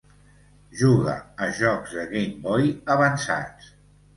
Juga a jocs de Game Boy avançats.